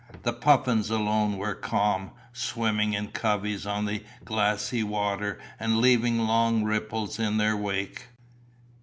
The puffins alone were calm, swimming in coveys on the glassy water and leaving long ripples in their wake.